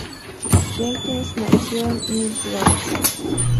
Jenkins nació en Millbrook.